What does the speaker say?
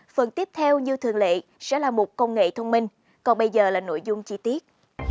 phần tiếp theo như thường lệ sẽ là một công nghệ thông minh còn bây giờ là nội dung chi tiết